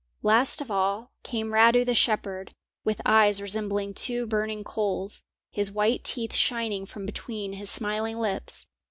Last of all came Radu the shepherd, with eyes resembling two burning coals, his white teeth shining from between his smiling lips.